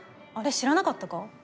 知らなかったか。